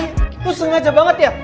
lu sengaja banget ya